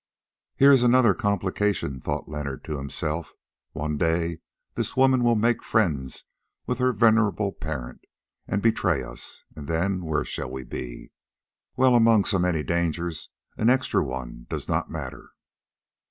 "Here is another complication," thought Leonard to himself; "one day this woman will make friends with her venerable parent and betray us, and then where shall we be? Well, among so many dangers an extra one does not matter."